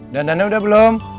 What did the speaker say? dandannya udah belum